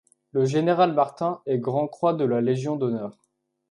Le général Martin est grand croix de la Légion d'honneur.